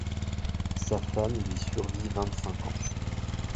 Sa femme lui survit vingt-cinq ans.